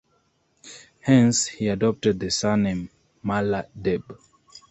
Hence, he adopted the surname, Malla Deb.